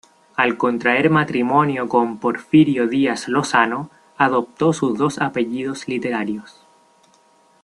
Al contraer matrimonio con Porfirio Díaz Lozano, adoptó sus dos apellidos literarios.